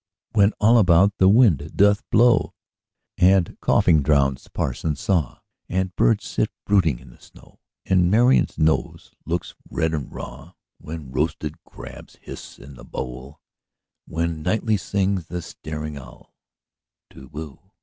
When all about the wind doth blow, And coughing drowns the parson's saw, And birds sit brooding in the snow, And Marian's nose looks red and raw; When roasted crabs hiss in the bowl—Then nightly sings the staring owlTu whoo!